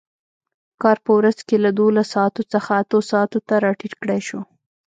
کار په ورځ کې له دولس ساعتو څخه اتو ساعتو ته راټیټ کړای شو.